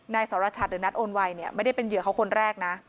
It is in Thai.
สรชัดหรือนัดโอนไวเนี่ยไม่ได้เป็นเหยื่อเขาคนแรกนะ